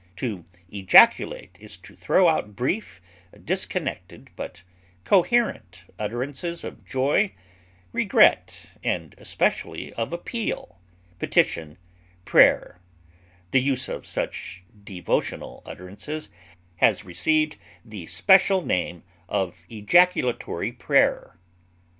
To ejaculate is to throw out brief, disconnected, but coherent utterances of joy, regret, and especially of appeal, petition, prayer; the use of such devotional utterances has received the special name of "ejaculatory prayer."